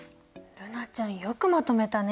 瑠菜ちゃんよくまとめたね。